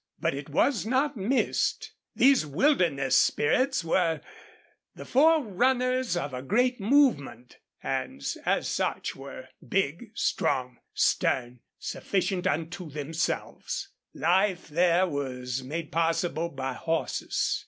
But it was not missed. These wilderness spirits were the forerunners of a great, movement, and as such were big, strong, stern, sufficient unto themselves. Life there was made possible by horses.